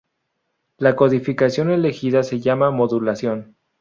La codificación elegida se llama modulación.